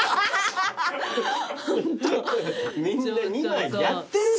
みんな２枚やってるだろ？